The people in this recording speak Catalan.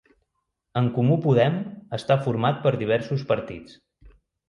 En Comú Podem està format per diversos partits.